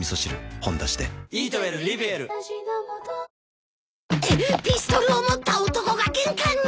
「ほんだし」でピストルを持った男が玄関に！